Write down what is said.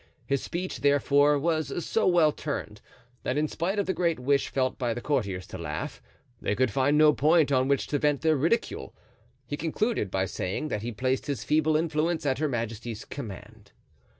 His speech, therefore, was so well turned, that in spite of the great wish felt by the courtiers to laugh, they could find no point on which to vent their ridicule. He concluded by saying that he placed his feeble influence at her majesty's command.